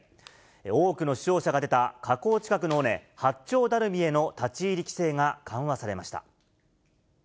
多くの死傷者が出た火口近くの尾根、八丁ダルミへの立ち入り規制が緩和されました。